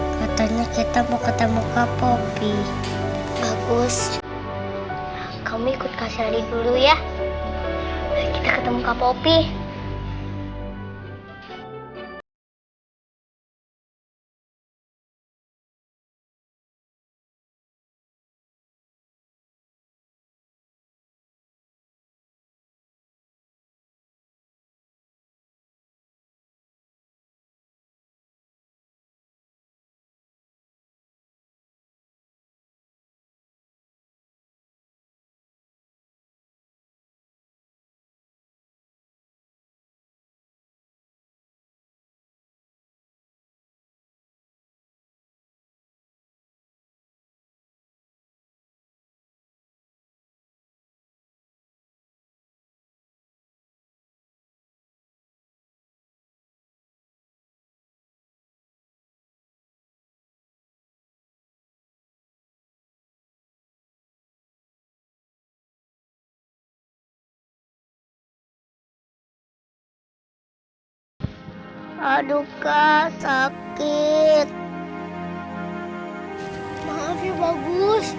katanya kita mau ketemu kak popi